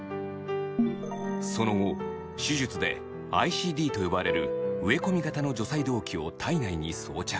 その後手術でＩＣＤと呼ばれる植込み型の除細動器を体内に装着。